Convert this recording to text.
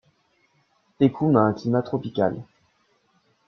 Ekoum a un climat tropical.